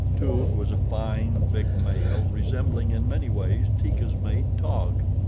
Toog was a fine, big male, resembling in many ways Teeka's mate, Taug.